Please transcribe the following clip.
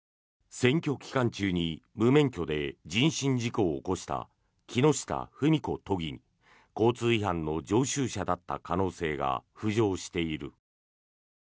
選挙期間中に無免許で人身事故を起こした木下富美子都議に交通違反の常習者だった可能性が浮上している。